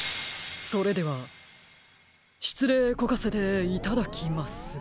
それではしつれいこかせていただきます。